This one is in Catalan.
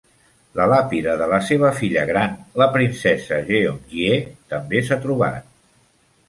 La làpida de la seva filla gran, la princesa Jeonghye, també s'ha trobat.